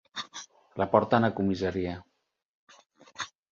La porten a comissaria.